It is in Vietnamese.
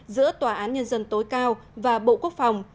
giữa tòa án nhân dân tối cao và bộ quốc phòng